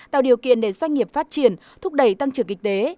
tạo điều kiện để doanh nghiệp phát triển thúc đẩy tăng trưởng kinh tế